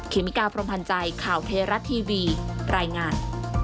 เมกาพรมพันธ์ใจข่าวเทราะทีวีรายงาน